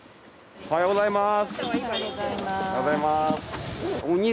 おはようございます。